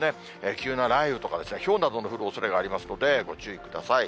急な雷雨とか、ひょうなどの降るおそれがありますのでご注意ください。